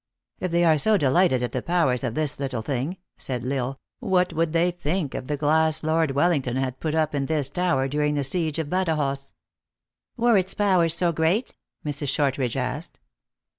" If they are so delighted at the powers of this little thing," said L Isle, " what would they think of the glass Lord Wellington had put up in this tower dur ing the siege of Badajoz ?"" Were its powers so great ?" Mrs. Shortridge asked.